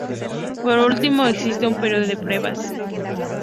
Por último existe un período de pruebas.